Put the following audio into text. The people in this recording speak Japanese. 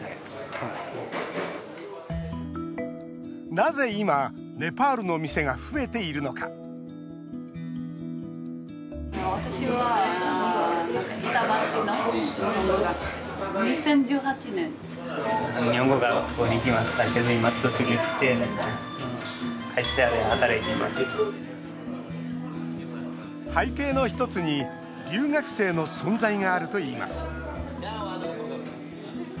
なぜ今、ネパールの店が増えているのか背景の一つに留学生の存在があるといいます。